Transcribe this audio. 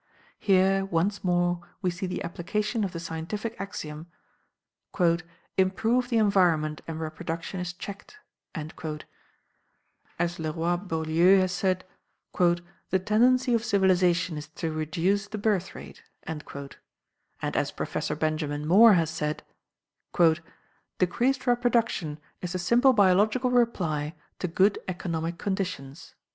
Here, once more we see the application of the scientific axiom "Improve the environment and reproduction is checked." As Leroy Beaulieu has said: "The tendency of civilization is to reduce the birth rate." And as Professor Benjamin Moore has said: "Decreased reproduction is the simple biological reply to good economic conditions."